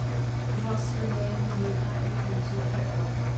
Ruahsur le nilin ah nithawng cu a herh ko.